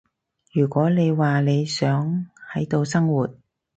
如果你話你想喺度生活